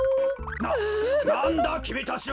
ななんだきみたちは！？